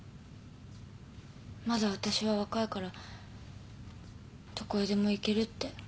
「まだわたしは若いからどこへでも行ける」って。